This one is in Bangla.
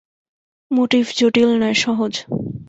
মোটিভ জটিল নয়, সহজ।